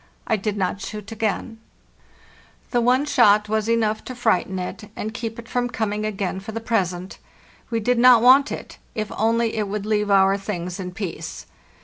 I did not shoot again; the one shot was enough to frighten it, and keep it from coming again for the present; we did not want it, if only it would leave our things in peace.